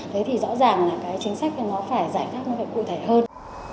thế thì rõ ràng là cái chính sách nó phải giải pháp nó phải cụ thể hơn